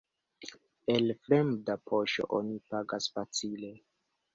El fremda poŝo oni pagas facile.